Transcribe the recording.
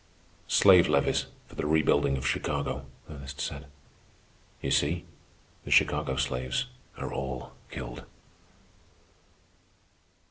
"Slave levies for the rebuilding of Chicago," Ernest said. "You see, the Chicago slaves are all killed."